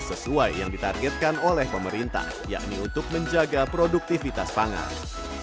sesuai yang ditargetkan oleh pemerintah yakni untuk menjaga produktivitas pangan